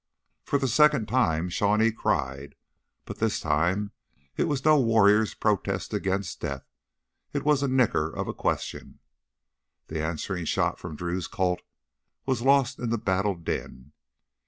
For the second time Shawnee cried, but this time it was no warrior's protest against death; it was the nicker of a question. The answering shot from Drew's Colt was lost in the battle din.